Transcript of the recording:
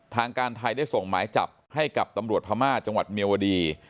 ทางการไทยได้ส่งหมายจับให้กับตำรวจพม่าจังหวัดเมียวดี